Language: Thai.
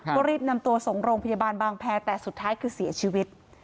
ก็รีบนำตัวส่งโรงพยาบาลบางแพรแต่สุดท้ายคือเสียชีวิต